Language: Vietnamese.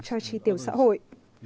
cho tri tiểu xã hội